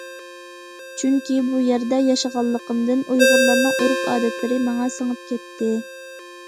چۈنكى بۇ يەردە ياشىغانلىقىمدىن، ئۇيغۇرلارنىڭ ئۆرۈپ- ئادەتلىرى ماڭا سىڭىپ كەتتى.